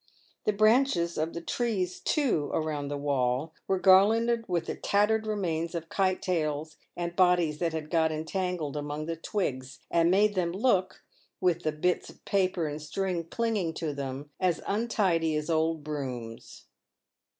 The branches of the trees, too, around the wall were garlanded with the tattered remains of kite tails and bodies that had got entangled among the twigs, and made them look, with the bits of paper and string clinging to them, as untidy as old brooms.